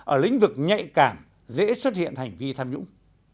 ở lĩnh vực nhạy cảm dễ xuất hiện hành vi tham nhũng